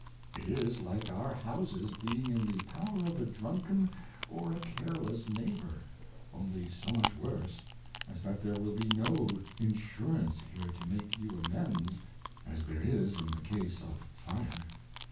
It is like our Houses being in the Power of a Drunken or a Careless Neighbour; only so much worse, as that there will be no Insurance here to make you amends, as there is in the Case of Fire.